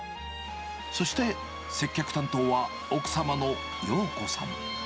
そして接客担当は、奥様の陽子さん。